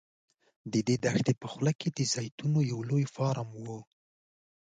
د دې دښتې په خوله کې د زیتونو یو لوی فارم و.